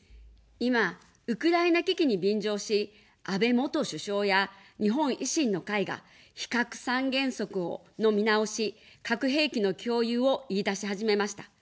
今、ウクライナ危機に便乗し、安倍元首相や日本維新の会が非核三原則の見直し、核兵器の共有を言いだし始めました。